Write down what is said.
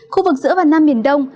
khu vực giữa và nam biển đông